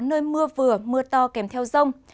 nơi mưa vừa mưa to kèm theo rông